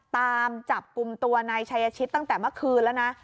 ตามจับกลุ่มตัวนายชายชิตตั้งแต่เมื่อคืนแล้วนะ